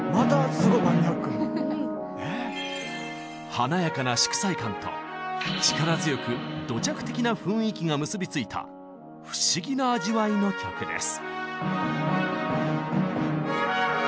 華やかな祝祭感と力強く土着的な雰囲気が結び付いた不思議な味わいの曲です。